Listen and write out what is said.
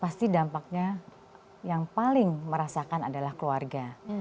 pasti dampaknya yang paling merasakan adalah keluarga